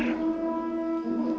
dendamku tidak akan berakhir